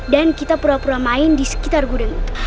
dan kita pura pura main di sekitar gudang itu